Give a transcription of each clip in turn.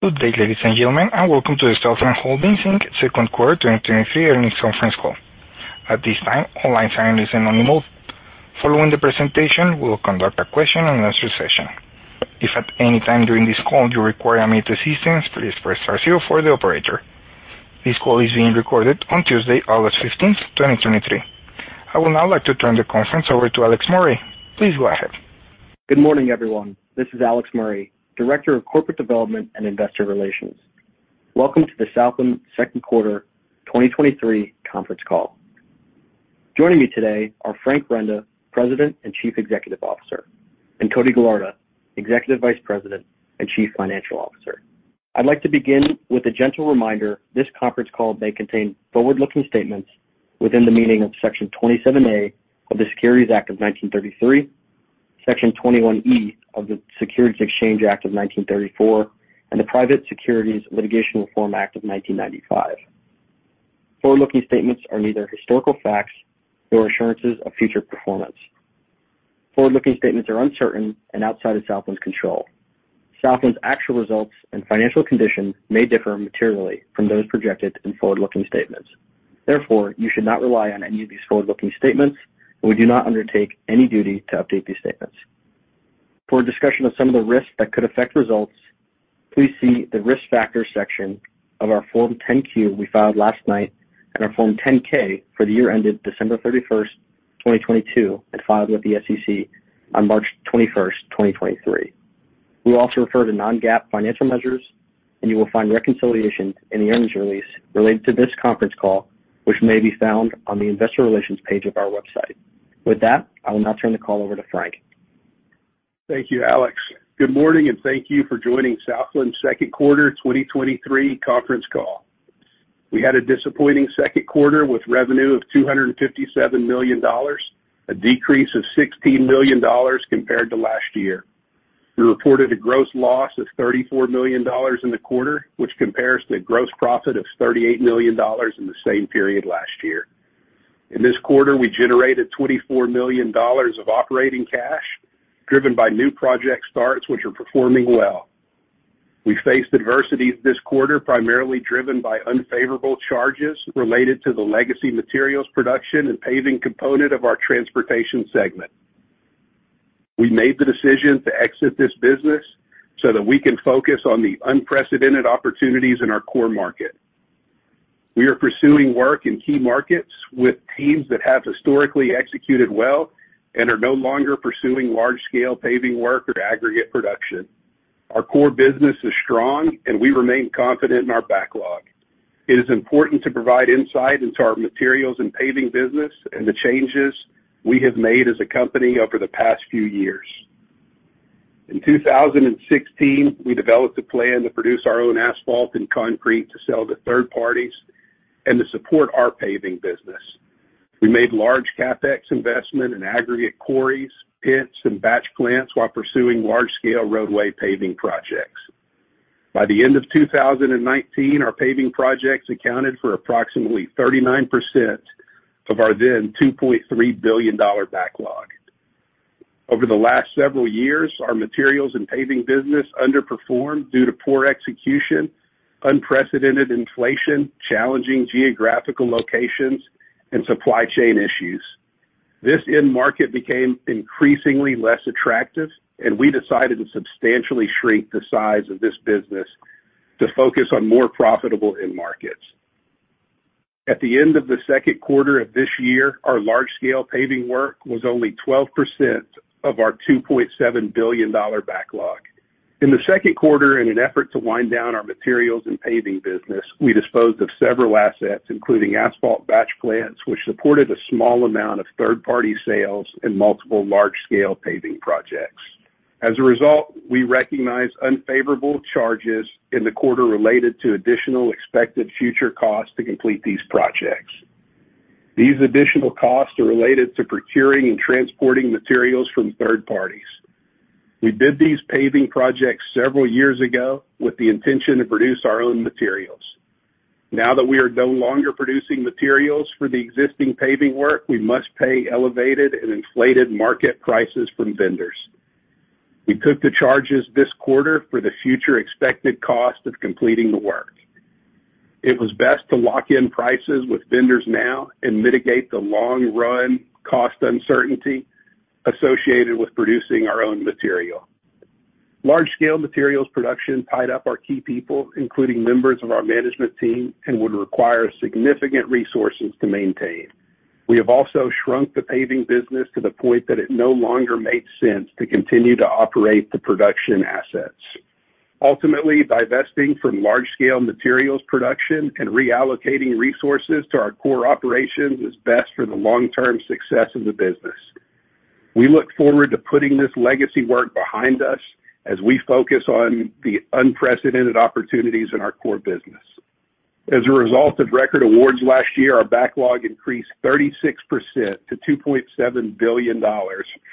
Good day, ladies and gentlemen, and welcome to the Southland Holdings Inc. Q2 2023 earnings conference call. At this time, all lines are in listen-only mode. Following the presentation, we will conduct a question-and-answer session. If at any time during this call you require any assistance, please press star zero for the operator. This call is being recorded on Tuesday, 15 August 2023. I would now like to turn the conference over to Alex Murray. Please go ahead. Good morning, everyone. This is Alex Murray, Director of Corporate Development and Investor Relations. Welcome to the Southland Q2 2023 conference call. Joining me today are Frank Renda, President and Chief Executive Officer, and Cody Gallardo, Executive Vice President and Chief Financial Officer. I'd like to begin with a gentle reminder. This conference call may contain forward-looking statements within the meaning of Section 27A of the Securities Act of 1933, Section 21E of the Securities Exchange Act of 1934, and the Private Securities Litigation Reform Act of 1995. Forward-looking statements are neither historical facts nor assurances of future performance. Forward-looking statements are uncertain and outside of Southland's control. Southland's actual results and financial conditions may differ materially from those projected in forward-looking statements. You should not rely on any of these forward-looking statements, and we do not undertake any duty to update these statements. For a discussion of some of the risks that could affect results, please see the Risk Factors section of our Form 10-Q we filed last night, and our Form 10-K for the year ended 31 December 2022, and filed with the SEC on 21 March 2023. We will also refer to non-GAAP financial measures, and you will find reconciliation in the earnings release related to this conference call, which may be found on the investor relations page of our website. I will now turn the call over to Frank. Thank you, Alex. Good morning, and thank you for joining Southland Q2 2023 conference call. We had a disappointing Q2 with revenue of $257 million, a decrease of $16 million compared to last year. We reported a gross loss of $34 million in the quarter, which compares to the gross profit of $38 million in the same period last year. In this quarter, we generated $24 million of operating cash, driven by new project starts, which are performing well. We faced adversities this quarter, primarily driven by unfavorable charges related to the legacy materials production and paving component of our transportation segment. We made the decision to exit this business so that we can focus on the unprecedented opportunities in our core market. We are pursuing work in key markets with teams that have historically executed well and are no longer pursuing large-scale paving work or aggregate production. Our core business is strong, and we remain confident in our backlog. It is important to provide insight into our materials and paving business and the changes we have made as a company over the past few years. In 2016, we developed a plan to produce our own asphalt and concrete to sell to third parties and to support our paving business. We made large CapEx investment in aggregate quarries, pits, and batch plants while pursuing large-scale roadway paving projects. By the end of 2019, our paving projects accounted for approximately 39% of our then $2.3 billion backlog. Over the last several years, our materials and paving business underperformed due to poor execution, unprecedented inflation, challenging geographical locations, and supply chain issues. This end market became increasingly less attractive, and we decided to substantially shrink the size of this business to focus on more profitable end markets. At the end of the Q2 of this year, our large-scale paving work was only 12% of our $2.7 billion backlog. In the Q2, in an effort to wind down our materials and paving business, we disposed of several assets, including asphalt batch plants, which supported a small amount of third-party sales and multiple large-scale paving projects. As a result, we recognized unfavorable charges in the quarter related to additional expected future costs to complete these projects. These additional costs are related to procuring and transporting materials from third parties. We did these paving projects several years ago with the intention to produce our own materials. Now that we are no longer producing materials for the existing paving work, we must pay elevated and inflated market prices from vendors. We took the charges this quarter for the future expected cost of completing the work. It was best to lock in prices with vendors now and mitigate the long-run cost uncertainty associated with producing our own material. Large-scale materials production tied up our key people, including members of our management team, and would require significant resources to maintain. We have also shrunk the paving business to the point that it no longer makes sense to continue to operate the production assets. Ultimately, divesting from large-scale materials production and reallocating resources to our core operations is best for the long-term success of the business. We look forward to putting this legacy work behind us as we focus on the unprecedented opportunities in our core business. As a result of record awards last year, our backlog increased 36% to $2.7 billion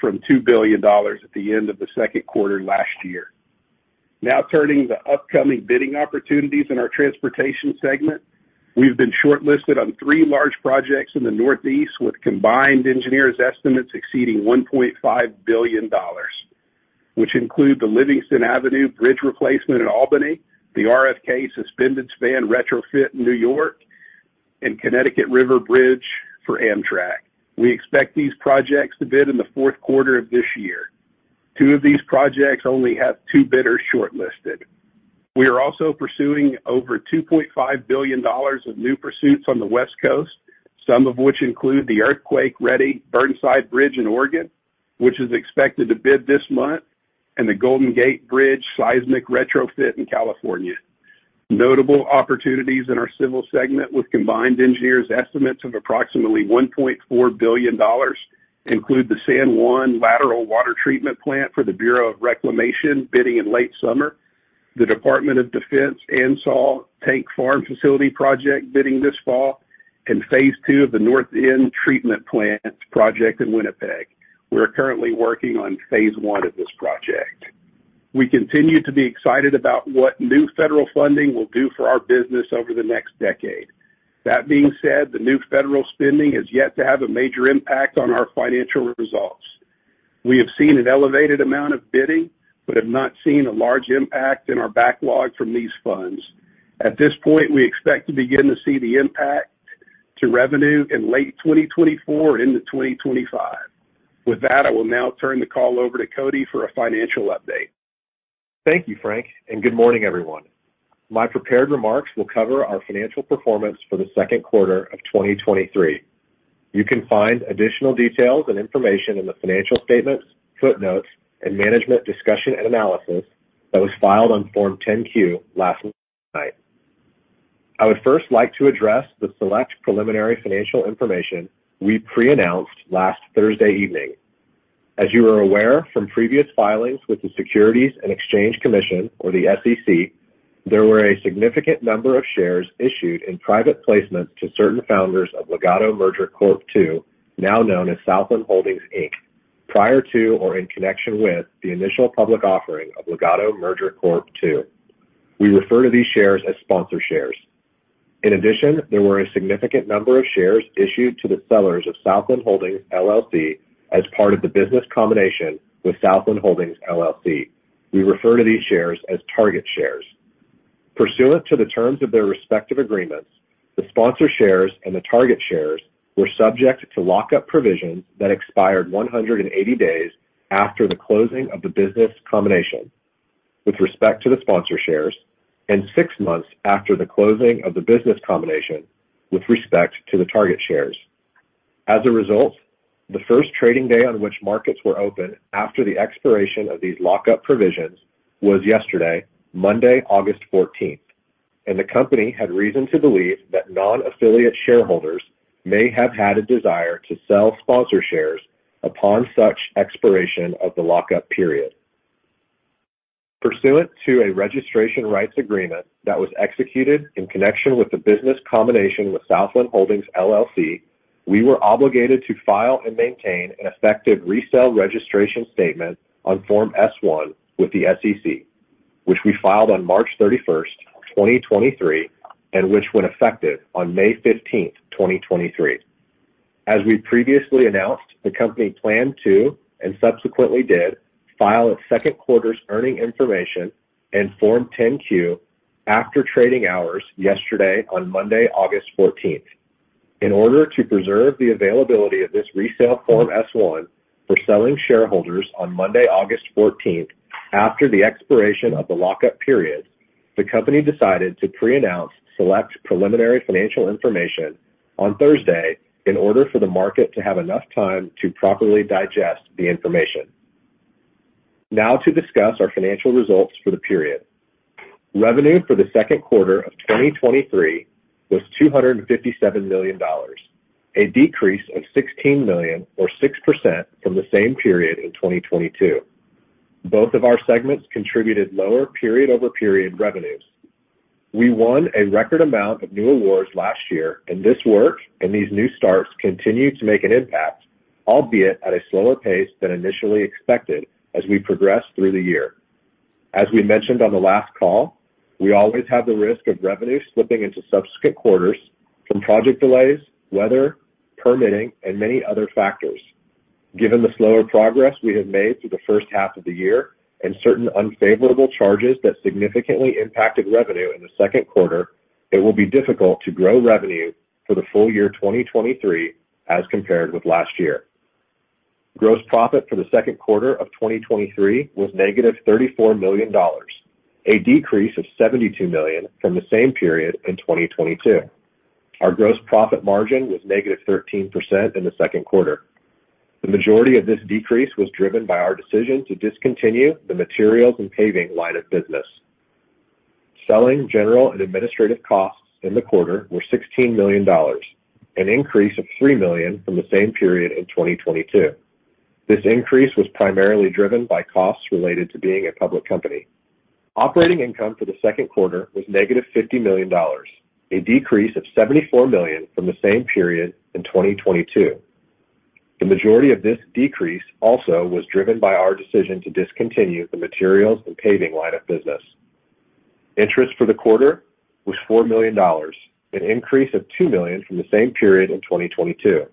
from $2 billion at the end of the Q2 last year. Turning to upcoming bidding opportunities in our transportation segment. We've been shortlisted on three large projects in the Northeast, with combined engineer's estimates exceeding $1.5 billion, which include the Livingston Avenue Bridge replacement in Albany, the RFK Suspended Span retrofit in New York, and Connecticut River Bridge for Amtrak. We expect these projects to bid in the Q4 of this year. Two of these projects only have two bidders shortlisted. We are also pursuing over $2.5 billion of new pursuits on the West Coast, some of which include the earthquake-ready Burnside Bridge in Oregon, which is expected to bid this month, and the Golden Gate Bridge seismic retrofit in California. Notable opportunities in our civil segment, with combined engineer's estimates of approximately $1.4 billion, include the San Juan Lateral Water Treatment Plant for the Bureau of Reclamation, bidding in late summer, the Department of Defense ANSAW Tank Farm Facility project, bidding this fall, and Phase two of the North End Treatment Plant project in Winnipeg. We're currently working on Phase one of this project. We continue to be excited about what new federal funding will do for our business over the next decade. That being said, the new federal spending is yet to have a major impact on our financial results. We have seen an elevated amount of bidding, but have not seen a large impact in our backlog from these funds. At this point, we expect to begin to see the impact to revenue in late 2024 into 2025. With that, I will now turn the call over to Cody for a financial update. Thank you, Frank, and good morning, everyone. My prepared remarks will cover our financial performance for the Q2 of 2023. You can find additional details and information in the financial statements, footnotes, and management discussion and analysis that was filed on Form 10-Q last night. I would first like to address the select preliminary financial information we pre-announced last Thursday evening. As you are aware from previous filings with the Securities and Exchange Commission, or the SEC, there were a significant number of shares issued in private placements to certain founders of Legato Merger Corp. II, now known as Southland Holdings Inc. Prior to or in connection with the initial public offering of Legato Merger Corp. II. We refer to these shares as Sponsor Shares. In addition, there were a significant number of shares issued to the sellers of Southland Holdings, LLC, as part of the business combination with Southland Holdings, LLC. We refer to these shares as target shares. Pursuant to the terms of their respective agreements, the Sponsor Shares and the target shares were subject to lock-up provisions that expired 180 days after the closing of the business combination with respect to the Sponsor Shares, and 6 months after the closing of the business combination with respect to the target shares. As a result, the first trading day on which markets were open after the expiration of these lock-up provisions was yesterday, Monday 14 August. The company had reason to believe that non-affiliate shareholders may have had a desire to sell Sponsor Shares upon such expiration of the lock-up period. Pursuant to a registration rights agreement that was executed in connection with the business combination with Southland Holdings, LLC, we were obligated to file and maintain an effective resale registration statement on Form S-1 with the SEC, which we filed on 31 March 2023, and which went effective on 15 May 2023. As we previously announced, the company planned to, and subsequently did, file its Q2 earning information and Form 10-Q after trading hours yesterday, on Monday 14 August. In order to preserve the availability of this resale Form S-1 for selling shareholders on Monday 14 August after the expiration of the lock-up period, the company decided to pre-announce select preliminary financial information on Thursday in order for the market to have enough time to properly digest the information. Now to discuss our financial results for the period. Revenue for the Q2 of 2023 was $257 million, a decrease of $16 million, or 6%, from the same period in 2022. Both of our segments contributed lower period-over-period revenues. We won a record amount of new awards last year, and this work and these new starts continue to make an impact, albeit at a slower pace than initially expected as we progress through the year. As we mentioned on the last call, we always have the risk of revenue slipping into subsequent quarters from project delays, weather, permitting, and many other factors. Given the slower progress we have made through the first half of the year and certain unfavorable charges that significantly impacted revenue in the Q2, it will be difficult to grow revenue for the full year 2023 as compared with last year. Gross profit for the Q2 of 2023 was negative $34 million, a decrease of $72 million from the same period in 2022. Our gross profit margin was negative 13% in the Q2. The majority of this decrease was driven by our decision to discontinue the materials and paving line of business. Selling, general, and administrative costs in the quarter were $16 million, an increase of $3 million from the same period in 2022. This increase was primarily driven by costs related to being a public company. Operating income for the Q2 was negative $50 million, a decrease of $74 million from the same period in 2022. The majority of this decrease also was driven by our decision to discontinue the materials and paving line of business. Interest for the quarter was $4 million, an increase of $2 million from the same period in 2022.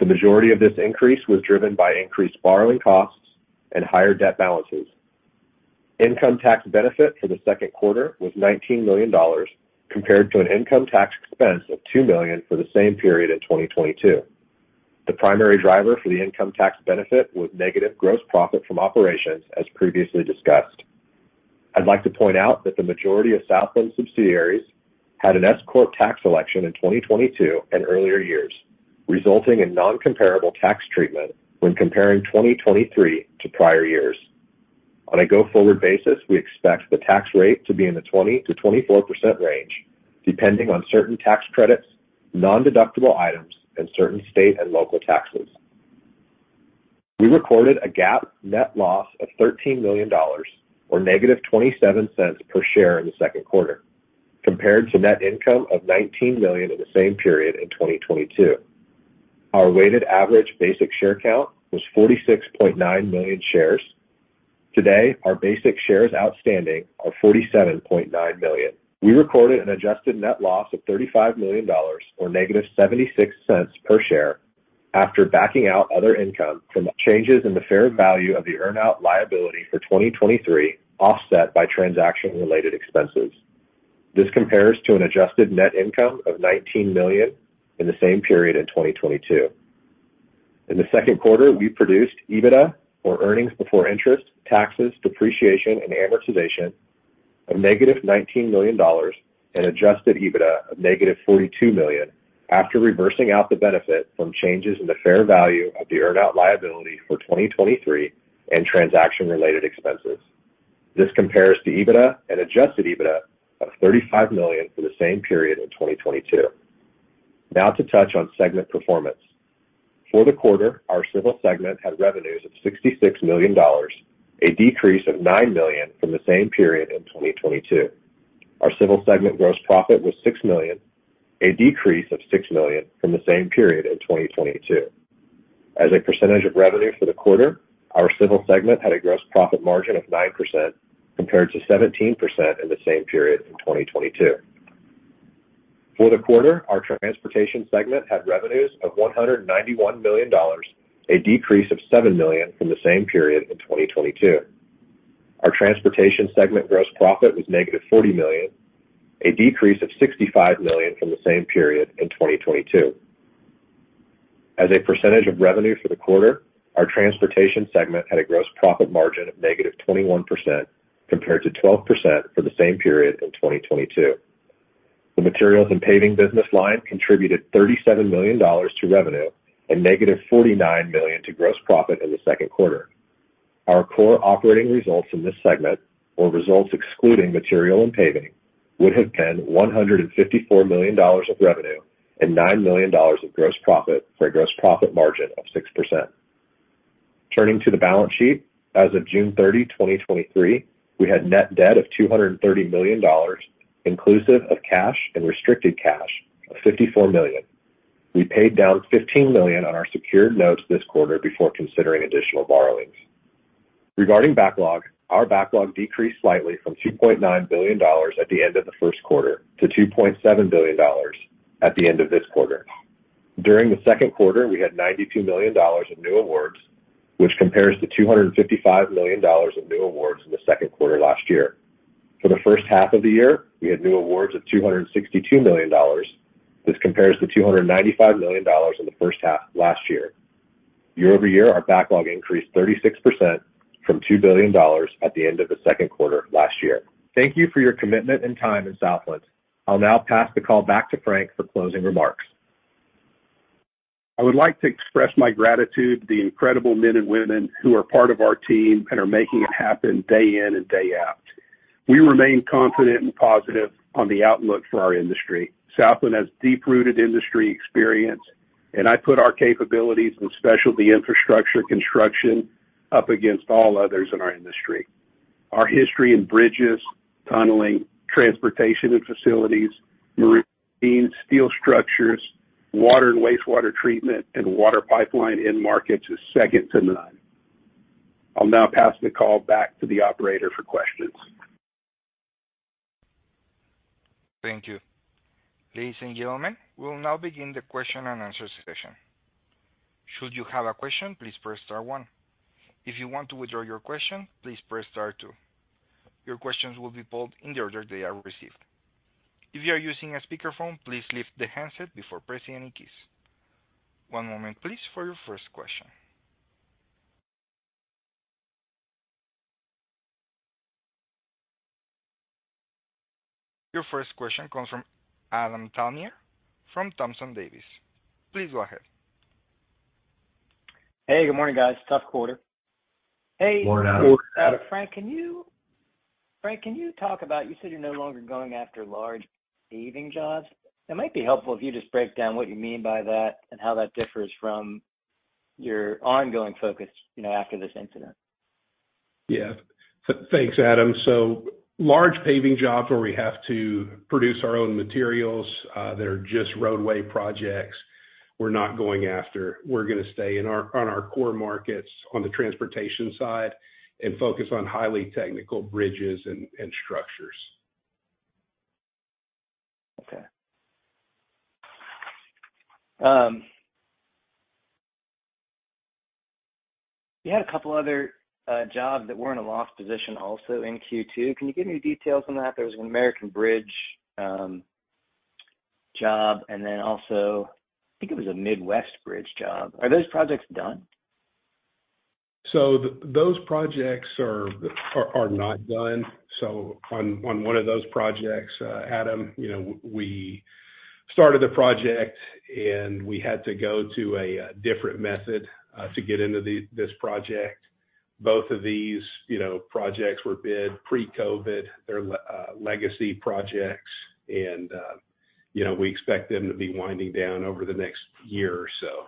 The majority of this increase was driven by increased borrowing costs and higher debt balances. Income tax benefit for the Q2 was $19 million, compared to an income tax expense of $2 million for the same period in 2022. The primary driver for the income tax benefit was negative gross profit from operations, as previously discussed. I'd like to point out that the majority of Southland subsidiaries had an S corp tax election in 2022 and earlier years, resulting in non-comparable tax treatment when comparing 2023 to prior years. On a go-forward basis, we expect the tax rate to be in the 20%-24% range, depending on certain tax credits, nondeductible items, and certain state and local taxes. We recorded a GAAP net loss of $13 million, or -$0.27 per share in the Q2, compared to net income of $19 million in the same period in 2022. Our weighted average basic share count was 46.9 million shares. Today, our basic shares outstanding are 47.9 million. We recorded an Adjusted net loss of $35 million, or -$0.76 per share, after backing out other income from changes in the fair value of the earn-out liability for 2023, offset by transaction-related expenses. This compares to an Adjusted net income of $19 million in the same period in 2022. In the Q2, we produced EBITDA, or earnings before interest, taxes, depreciation, and amortization, of negative $19 million and Adjusted EBITDA of negative $42 million after reversing out the benefit from changes in the fair value of the earn-out liability for 2023 and transaction-related expenses. This compares to EBITDA and Adjusted EBITDA of $35 million for the same period in 2022. To touch on segment performance. For the quarter, our civil segment had revenues of $66 million, a decrease of $9 million from the same period in 2022. Our civil segment gross profit was $6 million, a decrease of $6 million from the same period in 2022. As a percentage of revenue for the quarter, our civil segment had a gross profit margin of 9%, compared to 17% in the same period in 2022. For the quarter, our transportation segment had revenues of $191 million, a decrease of $7 million from the same period in 2022. Our transportation segment gross profit was -$40 million, a decrease of $65 million from the same period in 2022. As a percentage of revenue for the quarter, our transportation segment had a gross profit margin of -21%, compared to 12% for the same period in 2022. The materials and paving business line contributed $37 million to revenue and -$49 million to gross profit in the Q2. Our core operating results in this segment, or results excluding material and paving, would have been $154 million of revenue and $9 million of gross profit, for a gross profit margin of 6%. Turning to the balance sheet, as of 30 June 2023, we had net debt of $230 million, inclusive of cash and restricted cash of $54 million. We paid down $15 million on our secured notes this quarter before considering additional borrowings. Regarding backlog, our backlog decreased slightly from $2.9 billion at the end of the Q1 to $2.7 billion at the end of this quarter. During the Q1, we had $92 million in new awards, which compares to $255 million in new awards in the Q2 last year. For the first half of the year, we had new awards of $262 million. This compares to $295 million in the first half last year. Year-over-year, our backlog increased 36% from $2 billion at the end of the Q2 last year. Thank you for your commitment and time in Southland. I'll now pass the call back to Frank for closing remarks. I would like to express my gratitude to the incredible men and women who are part of our team and are making it happen day in and day out. We remain confident and positive on the outlook for our industry. Southland has deep-rooted industry experience, and I put our capabilities in specialty infrastructure construction up against all others in our industry. Our history in bridges, tunneling, transportation and facilities, marine, steel structures, water and wastewater treatment, and water pipeline end markets is second to none. I'll now pass the call back to the operator for questions. Thank you. Ladies and gentlemen, we will now begin the question-and-answer session. Should you have a question, please press star one. If you want to withdraw your question, please press star two. Your questions will be pulled in the order they are received. If you are using a speakerphone, please lift the handset before pressing any keys. One moment please for your first question. Your first question comes from Adam Thalhimer from Thompson Davis. Please go ahead. Hey, good morning, guys. Tough quarter. Good morning, Adam. Hey, Frank, can you talk about? You said you're no longer going after large paving jobs. It might be helpful if you just break down what you mean by that and how that differs from your ongoing focus, you know, after this incident. Yeah. Thanks, Adam. Large paving jobs where we have to produce our own materials, that are just roadway projects, we're not going after. We're gonna stay in on our core markets, on the transportation side, and focus on highly technical bridges and, and structures. Okay. You had a couple other jobs that were in a loss position also in Q2. Can you give me details on that? There was an American Bridge job, and then also, I think it was a Midwest Bridge job. Are those projects done? Those projects are, are, are not done. On, on one of those projects, Adam, you know, we started the project, and we had to go to a different method to get into this project. Both of these, you know, projects were bid pre-COVID. They're legacy projects, and, you know, we expect them to be winding down over the next year or so.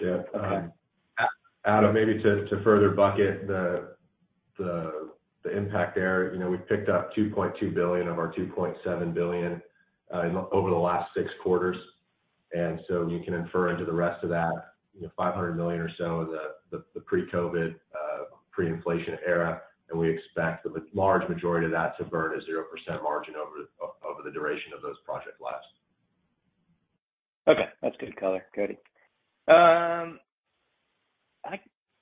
Yeah. Okay. Adam, maybe to further bucket the impact there, you know, we picked up $2.2 billion of our $2.7 billion over the last six quarters, and so you can infer into the rest of that, you know, $500 million or so is the pre-COVID, pre-inflation era, and we expect the large majority of that to burn a 0% margin over the duration of those project lasts. Okay. That's good color, Cody. I,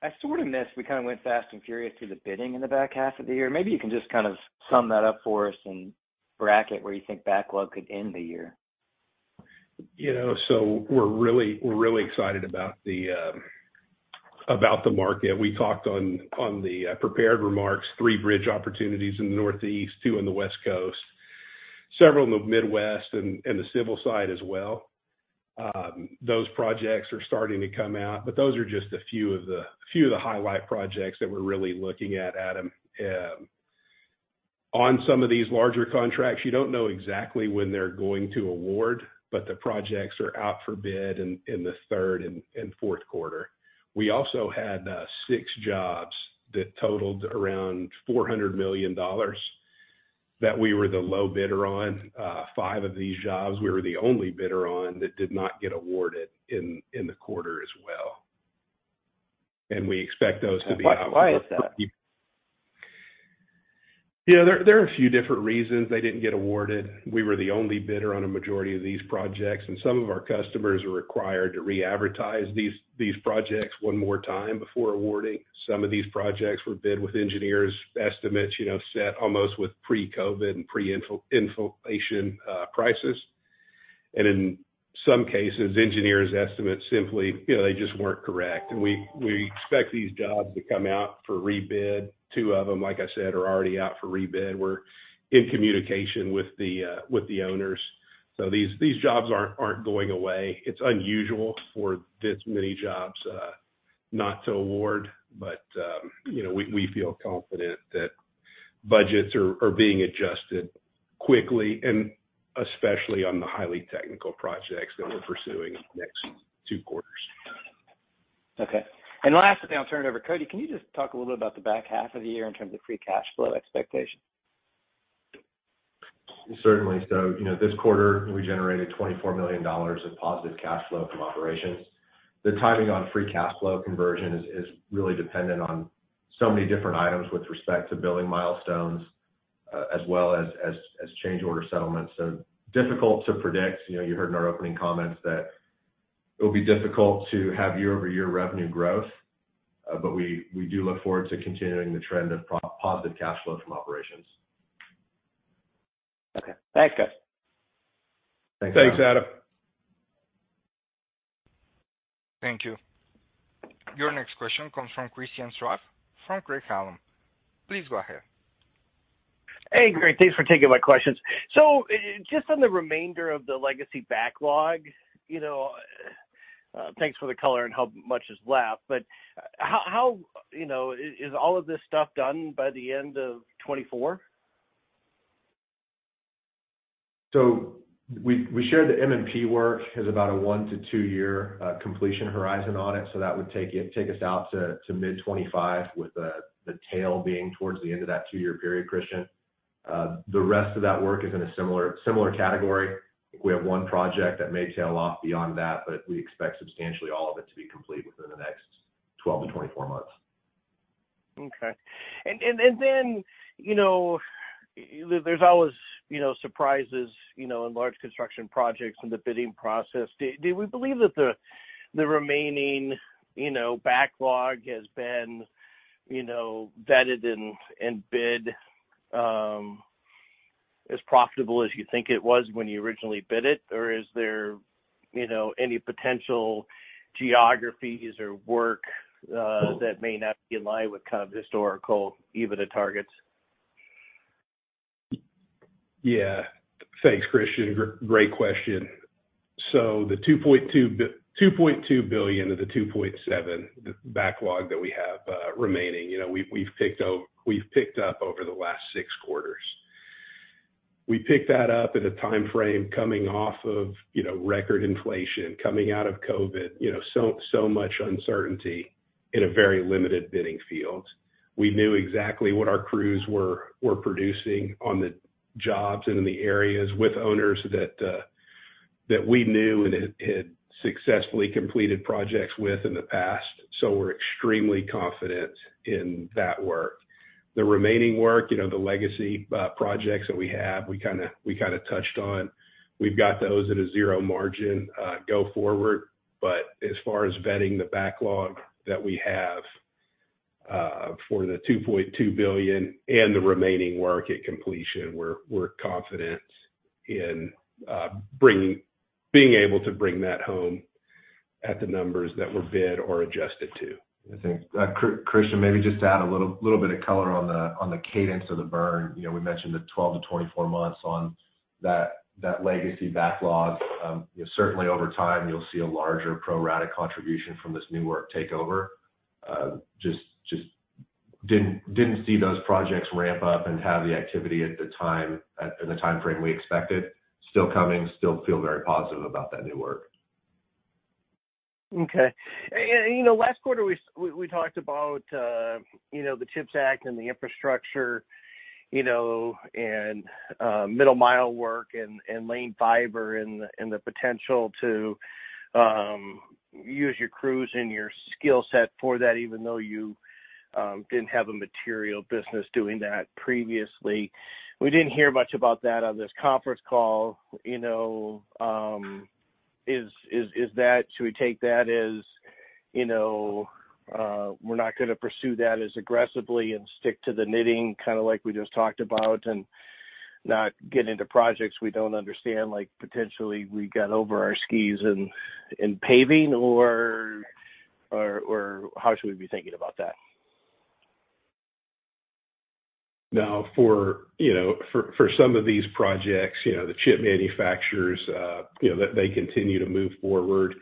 I sort of missed, we kind of went fast and furious through the bidding in the back half of the year. Maybe you can just kind of sum that up for us and bracket where you think backlog could end the year. You know, we're really, we're really excited about the market. We talked on the prepared remarks, three bridge opportunities in the Northeast, two on the West Coast, several in the Midwest, and the civil side as well. Those projects are starting to come out, but those are just a few of the highlight projects that we're really looking at, Adam. On some of these larger contracts, you don't know exactly when they're going to award, but the projects are out for bid in the third and Q4. We also had six jobs that totaled around $400 million, that we were the low bidder on. Five of these jobs, we were the only bidder on, that did not get awarded in the quarter as well. we expect those to be out- Why is that? There, there are a few different reasons they didn't get awarded. We were the only bidder on a majority of these projects, and some of our customers are required to readvertise these, these projects one more time before awarding. Some of these projects were bid with engineers' estimates, you know, set almost with pre-COVID and inflation prices. In some cases, engineers' estimates simply, you know, they just weren't correct. We, we expect these jobs to come out for rebid. Two of them, like I said, are already out for rebid. We're in communication with the owners. These, these jobs aren't, aren't going away. It's unusual for this many jobs, not to award, but, you know, we, we feel confident that budgets are, are being adjusted quickly, and especially on the highly technical projects that we're pursuing in the next two quarters. Okay. Last thing, I'll turn it over to Cody. Can you just talk a little bit about the back half of the year in terms of free cash flow expectations? Certainly. You know, this quarter, we generated $24 million of positive cash flow from operations. The timing on free cash flow conversion is really dependent on so many different items with respect to billing milestones, as well as change order settlements. Difficult to predict. You know, you heard in our opening comments that it'll be difficult to have year-over-year revenue growth, but we do look forward to continuing the trend of positive cash flow from operations. Okay. Thanks, guys. Thanks, Adam. Thanks, Adam. Thank you. Your next question comes from Christian Schwab from Craig-Hallum. Please go ahead. Hey, great. Thanks for taking my questions. Just on the remainder of the legacy backlog, you know, thanks for the color and how much is left, but how, you know, is, is all of this stuff done by the end of 2024? We, we shared the M&P work, has about a one to two year completion horizon on it, so that would take us out to, to mid-2025, with the, the tail being towards the end of that two-year period, Christian. The rest of that work is in a similar, similar category. I think we have one project that may tail off beyond that, but we expect substantially all of it to be complete within the next 12 and 24 months. Okay. Then, you know, there's always, you know, surprises, you know, in large construction projects in the bidding process. Do we believe that the remaining, you know, backlog has been, you know, vetted and bid as profitable as you think it was when you originally bid it? Is there, you know, any potential geographies or work that may not be in line with kind of historical EBITDA targets? Yeah. Thanks, Christian. great question. The $2.2 billion of the $2.7 billion, the backlog that we have, remaining, you know, we've, we've picked up over the last six quarters. We picked that up at a time frame coming off of, you know, record inflation, coming out of COVID, you know, so, so much uncertainty in a very limited bidding field. We knew exactly what our crews were, were producing on the jobs and in the areas with owners that we knew and had, had successfully completed projects with in the past. We're extremely confident in that work. The remaining work, you know, the legacy, projects that we have, we kinda, we kinda touched on. We've got those at a zero margin, go forward. As far as vetting the backlog that we have, for the $2.2 billion and the remaining work at completion, we're, we're confident in bringing, being able to bring that home at the numbers that were bid or adjusted to. I think Christian, maybe just add a little, little bit of color on the, on the cadence of the burn. You know, we mentioned the 12 to 24 months on that, that legacy backlog. Certainly over time, you'll see a larger pro rata contribution from this new work takeover. Just, just didn't, didn't see those projects ramp up and have the activity at the time, at, in the time frame we expected. Still coming, still feel very positive about that new work. Okay. And, you know, last quarter, we, we talked about, you know, the CHIPS Act and the infrastructure, you know, and middle mile work and lane fiber and the, and the potential to use your crews and your skill set for that, even though you didn't have a material business doing that previously. We didn't hear much about that on this conference call, you know, is that should we take that as, you know, we're not gonna pursue that as aggressively and stick to the knitting, kind of like we just talked about, and not get into projects we don't understand, like, potentially we got over our skis in, in paving? Or how should we be thinking about that? No, for, you know, for, for some of these projects, you know, the chip manufacturers, you know, they, they continue to move forward.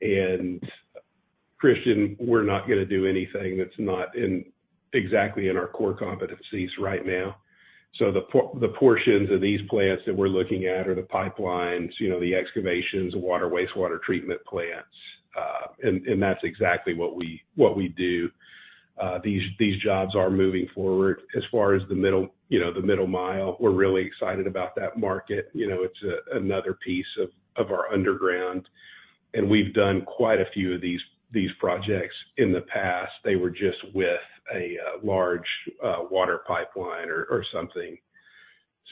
Christian, we're not gonna do anything that's exactly in our core competencies right now. The portions of these plants that we're looking at are the pipelines, you know, the excavations, water, wastewater treatment plants, and that's exactly what we, what we do. These, these jobs are moving forward. As far as the middle, you know, the middle mile, we're really excited about that market. You know, it's another piece of, of our underground, and we've done quite a few of these, these projects in the past. They were just with a large water pipeline or, or something,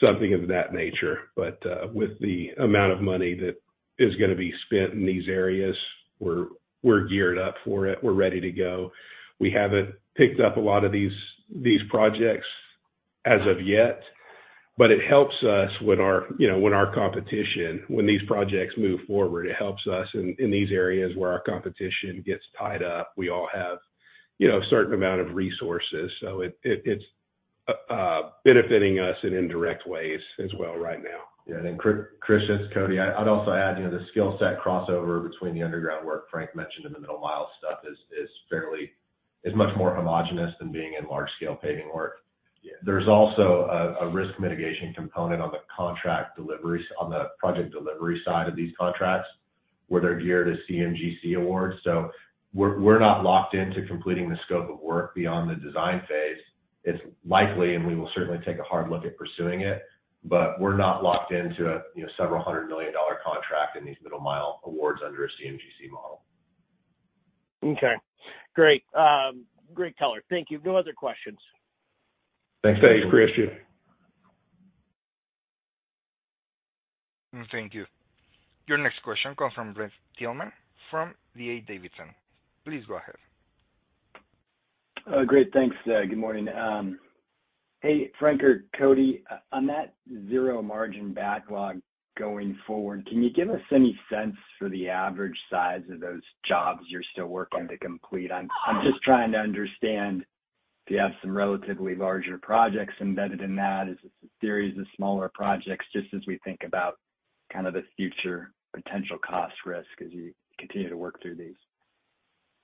something of that nature. With the amount of money that is gonna be spent in these areas, we're, we're geared up for it. We're ready to go. We haven't picked up a lot of these, these projects as of yet, but it helps us when our, you know, when our competition when these projects move forward, it helps us in, in these areas where our competition gets tied up. We all have, you know, a certain amount of resources, so it, it, it's benefiting us in indirect ways as well right now. Yeah, then Christian, it's Cody. I'd also add, you know, the skill set crossover between the underground work Frank mentioned and the middle mile stuff is much more homogenous than being in large-scale paving work. There's also a, a risk mitigation component on the contract deliveries, on the project delivery side of these contracts, where they're geared to CMGC awards. We're, we're not locked in to completing the scope of work beyond the design phase. It's likely, and we will certainly take a hard look at pursuing it, but we're not locked into a, you know, $ several hundred million contract in these middle mile awards under a CMGC model. Okay, great. Great color. Thank you. No other questions. Thanks, Christian. Thanks, Christian. Thank you. Your next question comes from Brent Thielman from D.A. Davidson. Please go ahead. Great, thanks. Good morning. Hey, Frank or Cody, on that zero margin backlog going forward, can you give us any sense for the average size of those jobs you're still working to complete? I'm just trying to understand, do you have some relatively larger projects embedded in that? Is this a series of smaller projects, just as we think about kind of the future potential cost risk as you continue to work through these?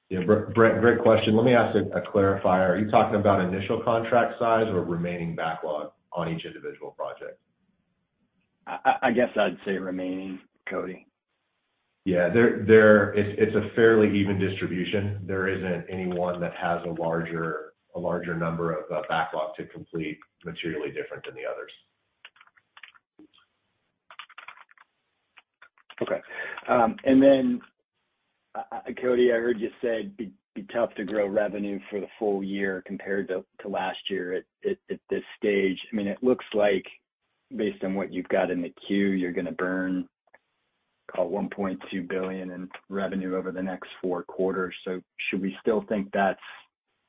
Yeah, Brent, great question. Let me ask a clarifier. Are you talking about initial contract size or remaining backlog on each individual project? I guess I'd say remaining, Cody. Yeah, it's a fairly even distribution. There isn't anyone that has a larger number of backlog to complete materially different than the others. And then Cody, I heard you say it'd be tough to grow revenue for the full year compared to, to last year at, at, at this stage. I mean, it looks like based on what you've got in the queue, you're gonna burn, call it $1.2 billion in revenue over the next four quarters. Should we still think that's,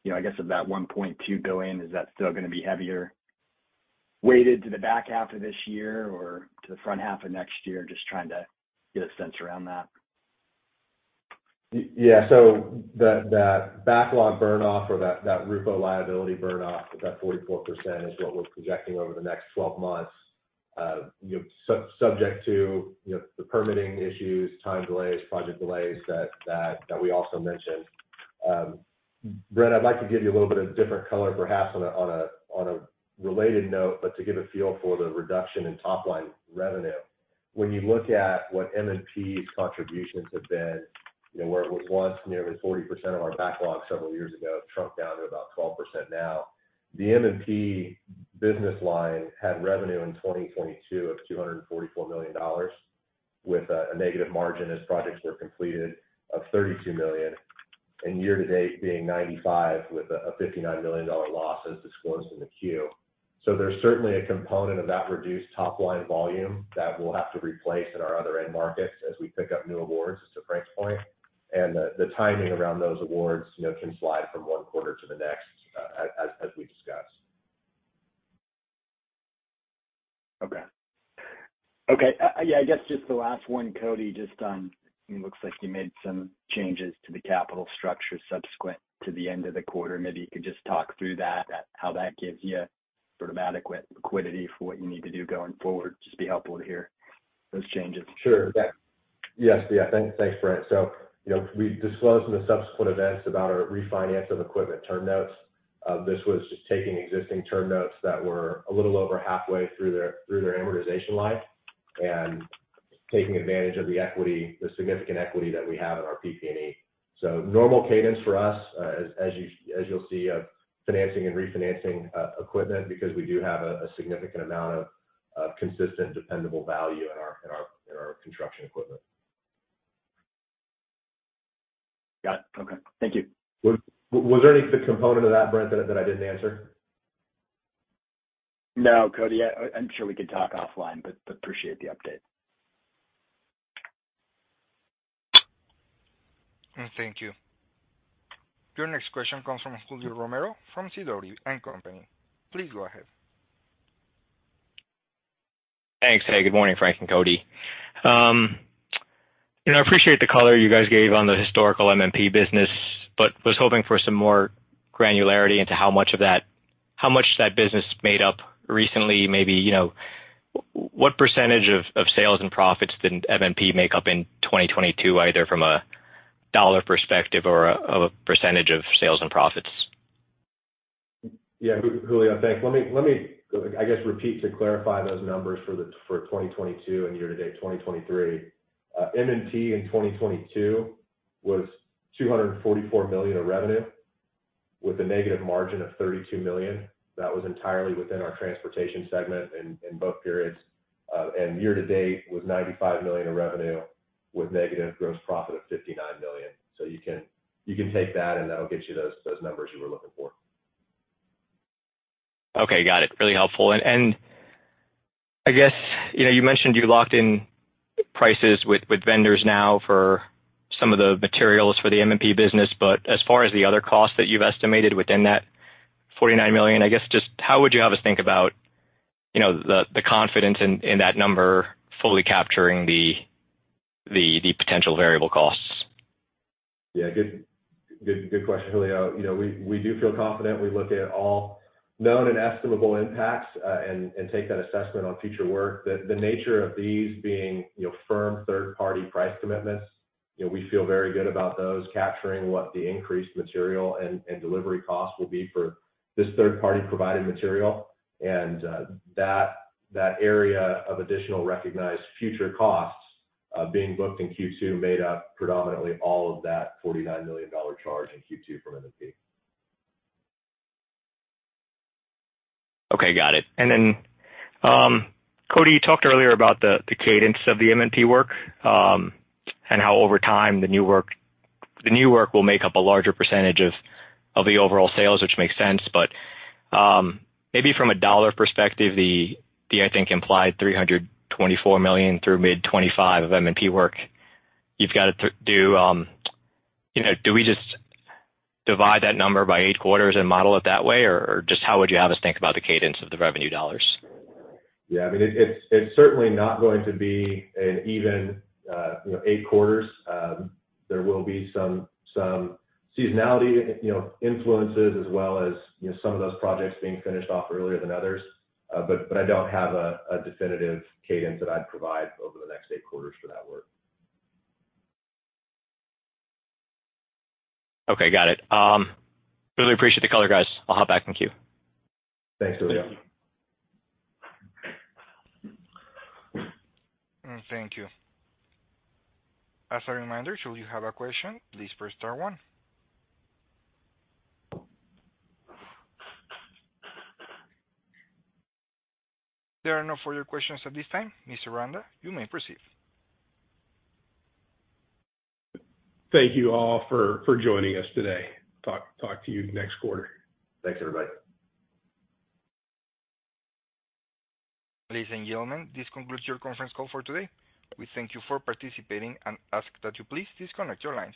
you know, I guess, of that $1.2 billion, is that still gonna be heavier weighted to the back half of this year or to the front half of next year? Just trying to get a sense around that. Yeah. The, that backlog burn off or that, that RUPO liability burn off, that 44% is what we're projecting over the next 12 months, you know, subject to, you know, the permitting issues, time delays, project delays that we also mentioned. Brent, I'd like to give you a little bit of different color, perhaps, on a related note, but to give a feel for the reduction in top-line revenue. When you look at what M&P's contributions have been, you know, where it was once nearly 40% of our backlog several years ago, it shrunk down to about 12% now. The M&P business line had revenue in 2022 of $244 million, with a negative margin as projects were completed of $32 million, and year-to-date being $95 million, with a $59 million loss as disclosed in the Q. There's certainly a component of that reduced top-line volume that we'll have to replace in our other end markets as we pick up new awards, to Frank's point, and the timing around those awards, you know, can slide from one quarter to the next, as we've discussed. Okay. Okay, yeah, I guess just the last one, Cody, just on, it looks like you made some changes to the capital structure subsequent to the end of the quarter. Maybe you could just talk through that, at how that gives you sort of adequate liquidity for what you need to do going forward. Just be helpful to hear those changes. Sure. Yeah. Yes. Yeah, thanks, Brent. You know, we disclosed in the subsequent events about our refinance of equipment term notes. This was just taking existing term notes that were a little over halfway through their, through their amortization life and taking advantage of the equity, the significant equity that we have in our PP&E. Normal cadence for us, as you'll see, of financing and refinancing equipment, because we do have a significant amount of consistent, dependable value in our construction equipment. Got it. Okay. Thank you. Was there any specific component of that, Brent, that I didn't answer? No, Cody, I, I'm sure we could talk offline, but, but appreciate the update. Thank you. Your next question comes from Julio Romero from Sidoti & Company. Please go ahead. Thanks. Hey, good morning, Frank and Cody. You know, I appreciate the color you guys gave on the historical M&P business, but was hoping for some more granularity into how much that business made up recently, maybe, you know, what % of sales and profits did M&P make up in 2022, either from a dollar perspective or a % of sales and profits? Yeah, Julio, thanks. Let me, let me, I guess, repeat to clarify those numbers for the, for 2022 and year-to-date 2023. M&P in 2022 was $244 million of revenue, with a negative margin of $32 million. That was entirely within our transportation segment in both periods. And year-to-date was $95 million of revenue, with negative gross profit of $59 million. You can, you can take that, and that'll get you those, those numbers you were looking for. Okay, got it. Really helpful. I guess, you know, you mentioned you locked in prices with, with vendors now for some of the materials for the M&P business. But as far as the other costs that you've estimated within that $49 million, I guess, just how would you have us think about, you know, the, the confidence in, in that number fully capturing the, the, the potential variable costs? Yeah, good, good, good question, Julio. You know, we, we do feel confident. We look at all known and estimable impacts, and, and take that assessment on future work. The, the nature of these being, you know, firm third-party price commitments, you know, we feel very good about those capturing what the increased material and, and delivery costs will be for this third party providing material. That, that area of additional recognized future costs, being booked in Q2, made up predominantly all of that $49 million charge in Q2 from M&P. Okay, got it. Cody, you talked earlier about the cadence of the M&P work, and how over time, the new work, the new work will make up a larger percentage of the overall sales, which makes sense. maybe from a dollar perspective, the, the, I think, implied $324 million through mid-2025 of M&P work, you've got to do... You know, do we just divide that number by eight quarters and model it that way? just how would you have us think about the cadence of the revenue dollars? Yeah, I mean, it, it's, it's certainly not going to be an even, you know, eight quarters. There will be some, some seasonality, you know, influences, as well as, you know, some of those projects being finished off earlier than others. But I don't have a, a definitive cadence that I'd provide over the next eight quarters for that work. Okay, got it. Really appreciate the color, guys. I'll hop back in queue. Thanks, Julio. Thank you. As a reminder, should you have a question, please press star one. There are no further questions at this time. Mr. Renda, you may proceed. Thank you all for joining us today. Talk to you next quarter. Thanks, everybody. Ladies and gentlemen, this concludes your conference call for today. We thank you for participating and ask that you please disconnect your lines.